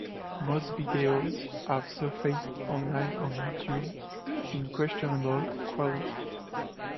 Most videos have surfaced online on YouTube in questionable quality.